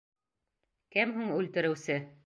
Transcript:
Кем һуң үлтереүсе?